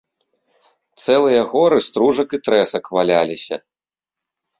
Цэлыя горы стружак і трэсак валяліся.